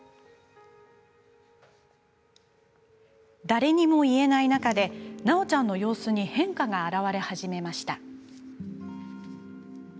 誰にも言えない中でなおちゃんの様子に変化が表れ始めました。